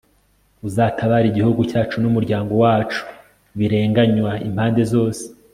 uzatabare igihugu cyacu n'umuryango wacu birenganywa impande zose